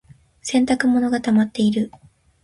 洗濯物がたまっている。